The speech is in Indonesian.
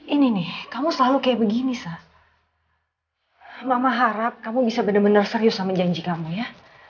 ini nih kamu selalu kayak begini sah mama harap kamu bisa bener bener serius sama janji kamu ya